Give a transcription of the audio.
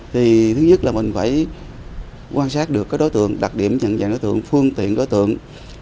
thứ hai là mình phải quan sát được đối tượng đặt điểm nhận dạng đối tượng phương tiện đối tượng